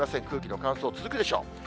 空気の乾燥、続くでしょう。